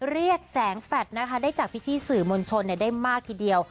เรียกแสงแฟดนะคะได้จากพี่สื่อมวลชนได้มากทีเดียว